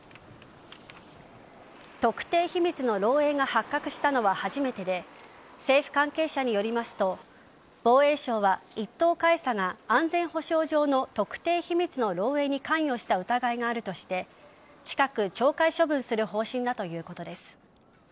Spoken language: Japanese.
特定秘密の漏えいが発覚したのは初めてで政府関係者によりますと防衛省は１等海佐が安全保障上の特定秘密の漏えいに関与した疑いがあるとして近く、懲戒処分する方針だということです。